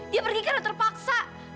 dia pergi karena terpaksa